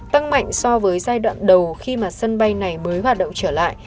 tăng mạnh so với giai đoạn đầu khi mà sân bay này mới hoạt động trở lại